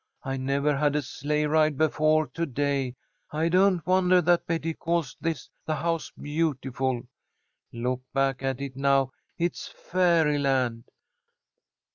I never had a sleigh ride before to day. I don't wonder that Betty calls this the House Beautiful. Look back at it now. It's fairy land!"